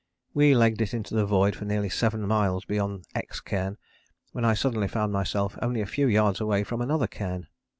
We legged it into the void for nearly seven miles beyond X Cairn when I suddenly found myself only a few yards away from another cairn.